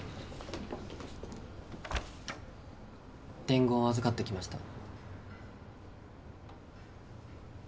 伝言を預かってきました。